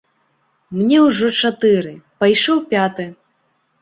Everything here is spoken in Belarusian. Мне ўжо чатыры, пайшоў пяты.